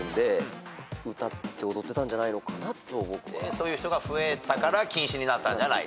そういう人が増えたから禁止になったんじゃないかと。